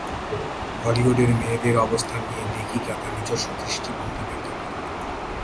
হলিউডের মেয়েদের অবস্থান নিয়ে লেখিকা তার নিজস্ব দৃষ্টিভঙ্গি ব্যাখ্যা করেন।